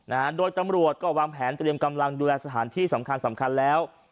แล้วตำรวจก็วางแผนเตรียมกำลังดูแลสถานที่สำคัญแล้ว